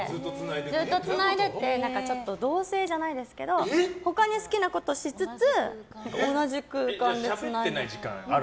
ずっとつないでて同棲じゃないですけど他に好きなことをしつつ同じ空間でつないでる。